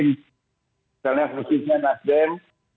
misalnya khususnya nasdem